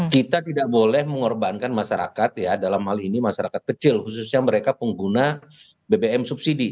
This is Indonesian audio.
kita tidak boleh mengorbankan masyarakat ya dalam hal ini masyarakat kecil khususnya mereka pengguna bbm subsidi